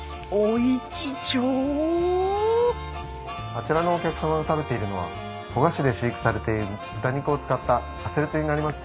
あちらのお客様が食べているのは古河市で飼育されている豚肉を使ったカツレツになります。